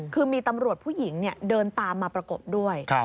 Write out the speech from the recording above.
คือมีตำรวจผู้หญิงเดินตามมาประกบด้วย